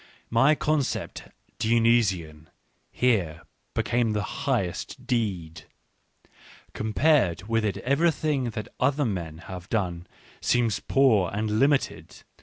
My concept " Dion^si^n " here be came the highest^ssA ; compared with it everything that other men have done seems poor and limited.